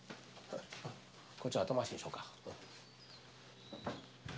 こっちは後回しにしようか。